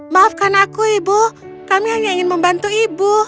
maafkan aku ibu kami hanya ingin membantu ibu